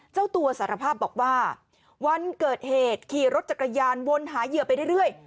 เจ้าตัวสารภาพบอกว่าวันเกิดเหตุขี่รถจักรยานวนหาเหยื่อไปเรื่อย